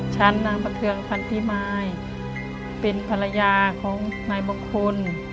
ฉันนางประเทืองฟันของพี่มายเป็นภรรยาของนายมะคร